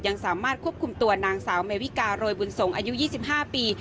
ยังสามารถควบคุมตัวนางสาวเมวิการโรยบุญสงฆ์อายุ๒๕ปี